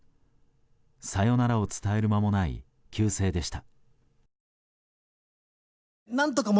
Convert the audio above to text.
さよならを伝える間もない急逝でした。